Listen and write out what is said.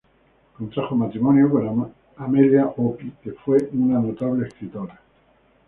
Contrajo matrimonio con Amelia Opie, quien fue una notable escritora.